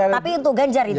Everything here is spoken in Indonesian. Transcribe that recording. tapi untuk ganjar itu